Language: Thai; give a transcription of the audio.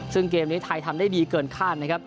ซึ่งเกมนี้ไทยทำได้ดีเกินคาดนะครับ